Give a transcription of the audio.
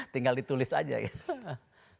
tinggal ditulis aja gitu